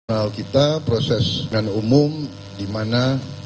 di dalam hal kita proses dengan umum dimana